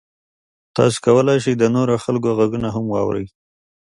تاسو کولی شئ د نورو خلکو غږونه هم واورئ.